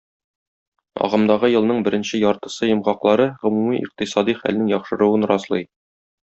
Агымдагы елның беренче яртысы йомгаклары гомуми икътисади хәлнең яхшыруын раслый.